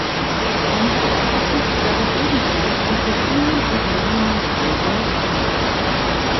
Henze zeichnet darin ebenfalls die von ihnen unternommenen Reisen nach.